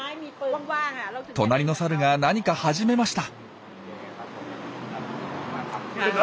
隣のサルが何か始めました。